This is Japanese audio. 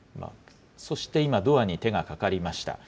そして今、ドアに手がかかりました。